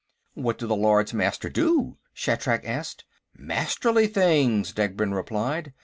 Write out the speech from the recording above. "What do the Lords Master do?" Shatrak asked. "Masterly things," Degbrend replied.